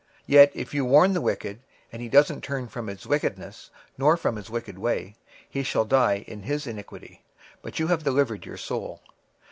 26:003:019 Yet if thou warn the wicked, and he turn not from his wickedness, nor from his wicked way, he shall die in his iniquity; but thou hast delivered thy soul.